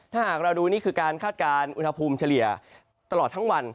ถ้าหากเราดูนี่คือการคาดการณ์อุณหภูมิเฉลี่ยตลอดทั้งวัน